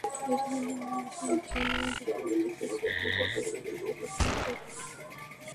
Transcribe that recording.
এরই মধ্যে আগামী গ্রীষ্মে অস্ট্রেলিয়ায় দিবারাত্রির টেস্ট খেলতে বেঁকে বসেছে দক্ষিণ আফ্রিকা।